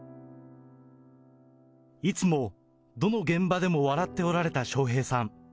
いつもどの現場でも笑っておられた笑瓶さん。